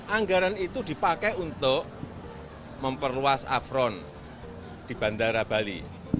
anggaran itu dipakai untuk memperluas afron di bandara bali